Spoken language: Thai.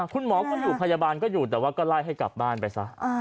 คุณหมอก็อยู่พยาบาลก็อยู่แต่ว่าก็ไล่ให้กลับบ้านไปซะ